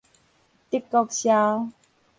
德國簫